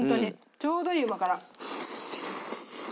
ちょうどいいうま辛。